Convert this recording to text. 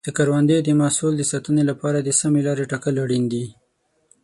د کروندې د محصول د ساتنې لپاره د سمې لارې ټاکل اړین دي.